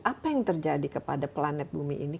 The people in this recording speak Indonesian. apa yang terjadi kepada planet bumi ini